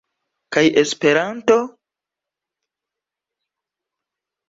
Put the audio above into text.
Kaj Esperanto?